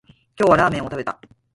今日はラーメンを食べた